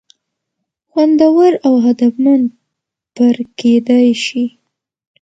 خوندور او هدفمند پر کېدى شي.